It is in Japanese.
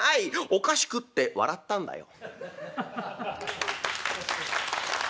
おかしくって笑ったんだよ」。